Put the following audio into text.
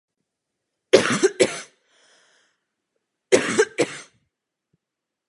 Stál poblíž jedné z kaplí poutní cesty u břehu Vltavy na poli.